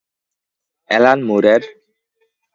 Alan মুরের?